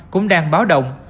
cũng đang báo động